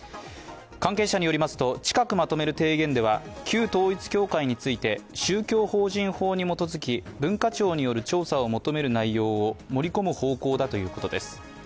関係者によりますと、近くまとめる提言では、旧統一教会について宗教法人法に基づき文化庁による調査を求める内容を盛り込む方向だということです。